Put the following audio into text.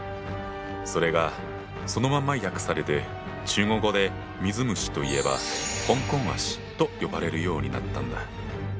それがそのまま訳されて中国語で水虫といえば「香港脚」と呼ばれるようになったんだ。